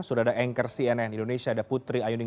sudah ada anchor cnn indonesia ada putri ayuning